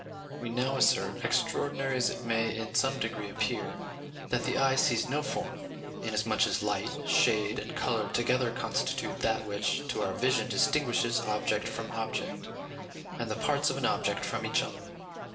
We now assert, extraordinary as it may in some degree appear, that the eye sees no form, inasmuch as light, shade, and colour together constitute that which to our vision distinguishes object from object, and the parts of an object from each other.